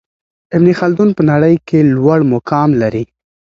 ابن خلدون په نړۍ کي لوړ مقام لري.